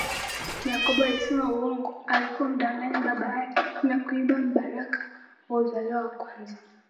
Yakobo alisema uongo alipomdanganya Baba yake na kuiba mbaraka wa uzaliwa wa kwanza